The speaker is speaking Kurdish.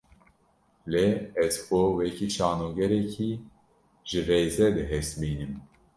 Lê, ez xwe wekî şanogerekî ji rêzê dihesibînim